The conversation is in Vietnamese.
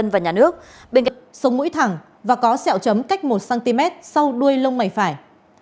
vâng thưa quý vị